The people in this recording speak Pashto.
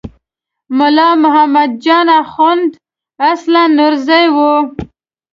ملا محمد جان اخوند اصلاً نورزی و.